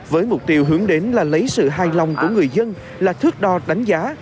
với mục tiêu hướng đến là lấy sự hài lòng của người dân là thước đo đánh giá